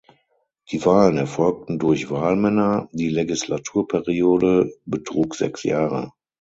Die Wahlen erfolgten durch Wahlmänner, die Legislaturperiode betrug sechs Jahre.